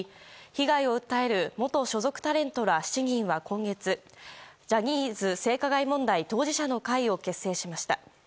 被害を訴える元所属タレントら７人は今月、ジャニーズ性加害問題当事者の会を結成しました。